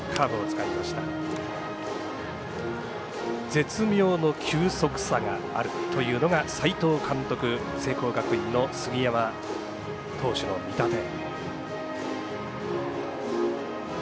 絶妙の球速差があるというのが斎藤監督、聖光学院の杉山投手の見立て。